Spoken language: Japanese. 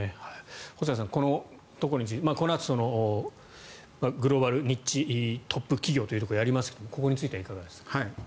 細谷さん、このところについてこのあとグローバルニッチトップ企業をやりますがここについてはいかがでしょうか。